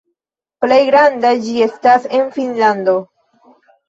Plej granda ĝi estas en Finnlando.